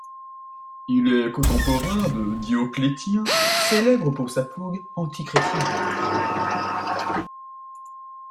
Il est contemporain de Dioclétien, célèbre pour sa fougue anti-chrétienne.